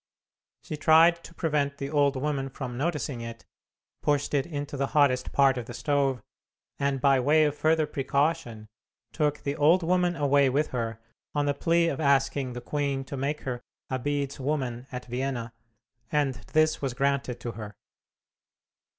She tried to prevent the old woman from noticing it, pushed it into the hottest part of the stove, and, by way of further precaution, took the old woman away with her, on the plea of asking the queen to make her a bedeswoman at Vienna, and this was granted to her.